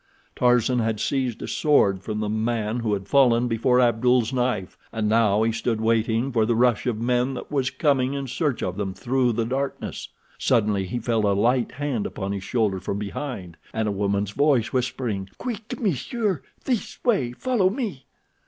Tarzan had seized a sword from the man who had fallen before Abdul's knife, and now he stood waiting for the rush of men that was coming in search of them through the darkness. Suddenly he felt a light hand upon his shoulder from behind, and a woman's voice whispering, "Quick, m'sieur; this way. Follow me."